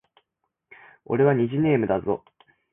俺は虹ネームだぞ